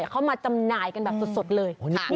เขามาจำหน่ายกันแบบสดเลย